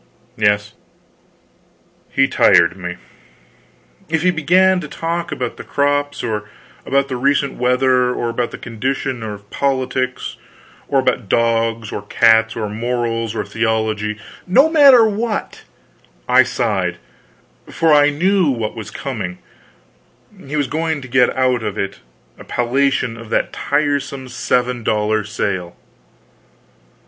Yes, he tired me. If he began to talk about the crops; or about the recent weather; or about the condition of politics; or about dogs, or cats, or morals, or theology no matter what I sighed, for I knew what was coming; he was going to get out of it a palliation of that tiresome seven dollar sale.